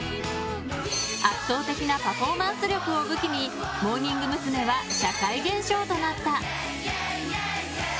圧倒的なパフォーマンス力を武器にモーニング娘。は社会現象となった。